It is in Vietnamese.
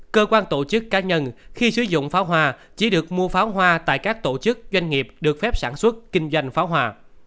cơ quan tổ chức cá nhân khi sử dụng pháo hoa chỉ được mua pháo hoa tại các tổ chức doanh nghiệp được phép sản xuất kinh doanh pháo hoa